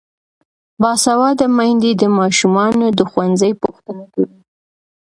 باسواده میندې د ماشومانو د ښوونځي پوښتنه کوي.